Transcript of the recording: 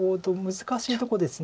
難しいとこです。